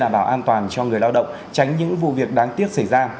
và an toàn cho người lao động tránh những vụ việc đáng tiếc xảy ra